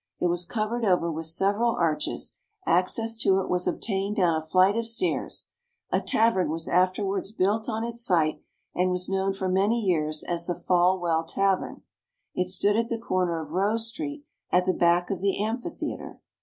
It was covered over with several arches; access to it was obtained down a flight of steps. A tavern was afterwards built on its site, and was known for many years as the "Fall Well Tavern." It stood at the corner of Rose street at the back of the Amphitheatre.